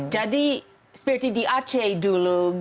jadi seperti di aceh dulu